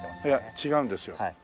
いや違うんですよ。